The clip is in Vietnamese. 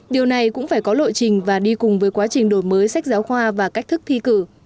điều này cũng phải có lộ trình và đi cùng với quá trình đổi mới sách giáo khoa và cách thức thi cử